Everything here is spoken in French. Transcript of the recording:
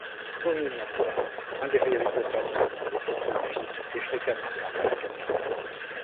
Homi Master, un des réalisateurs-maison les plus prolifiques, est fréquemment derrière la caméra.